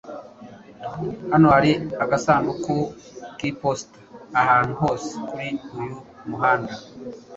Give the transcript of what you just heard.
Hano hari agasanduku k'iposita ahantu hose kuri uyu muhanda.